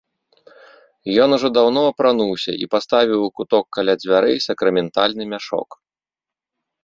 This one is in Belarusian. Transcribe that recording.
Ён ужо даўно апрануўся і паставіў у куток каля дзвярэй сакраментальны мяшок.